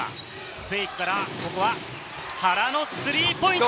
フェイクから、ここは原のスリーポイント。